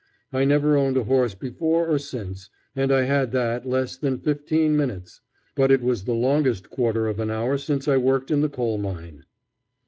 I never owned a horse before or since, and I had that less than fifteen minutes; but it was the longest quarter of an hour since I worked in the coal mine.